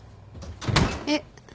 えっ。